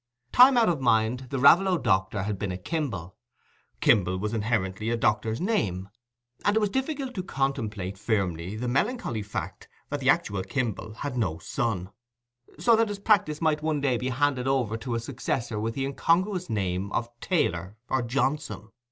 Time out of mind the Raveloe doctor had been a Kimble; Kimble was inherently a doctor's name; and it was difficult to contemplate firmly the melancholy fact that the actual Kimble had no son, so that his practice might one day be handed over to a successor with the incongruous name of Taylor or Johnson.